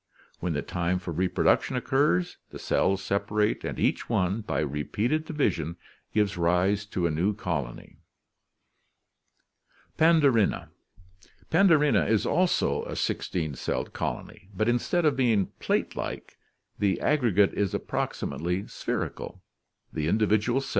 When the time for reproduction occurs, the cells sepa rate and each one, by repeated division, gives rise to a new colony. Pandorina. — Pandorina (Fig. 36) is also a six teen celled colony, but instead from the side. Greatly en proximately spherical, the individual Urged.